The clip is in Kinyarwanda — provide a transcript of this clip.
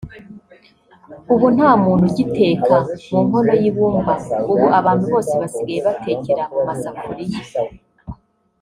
“ubu nta muntu ugiteka mu nkono y’ibumba ubu abantu bose basigaye batekera mu masafuriya